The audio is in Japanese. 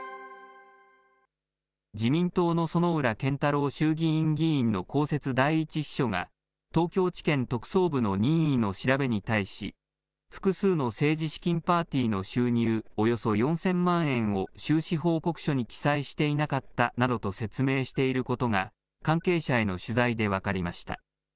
自民党の薗浦健太郎衆議院議員の公設第１秘書が、東京地検特捜部の任意の調べに対し、複数の政治資金パーティーの収入およそ４０００万円を収支報告書に記載していなかったなどと説明していることが、関係者への取材で分かりました。